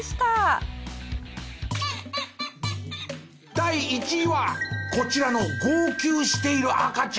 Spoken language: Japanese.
第１位はこちらの号泣している赤ちゃん。